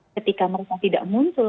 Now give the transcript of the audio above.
ketika merasa tidak muncul